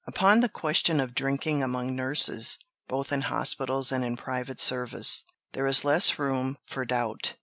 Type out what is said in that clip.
Upon the question of drinking among nurses, both in hospitals and in private service, there is less room for doubt.